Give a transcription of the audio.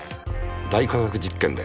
「大科学実験」で。